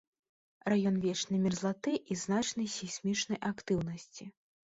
Раён вечнай мерзлаты і значнай сейсмічнай актыўнасці.